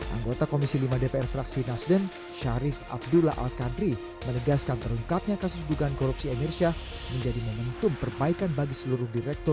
anggota komisi lima dpr fraksi nasdem syarif abdullah al qadri menegaskan terungkapnya kasus dugaan korupsi emir syah menjadi momentum perbaikan bagi seluruh direktur